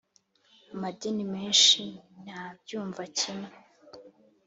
amadini menshi ntabyumva kimwe